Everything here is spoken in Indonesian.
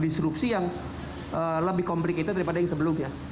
disrupsi yang lebih komplikated daripada yang sebelumnya